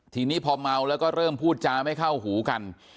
ทีนี้พอเมาแล้วก็เริ่มพูดจาไม่เข้าหูกัน